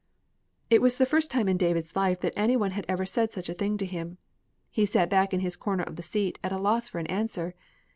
It was the first time in David's life any one had ever said such a thing to him. He sat back in his corner of the seat, at loss for an answer.